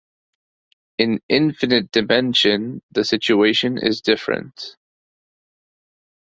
In infinite dimension the situation is different.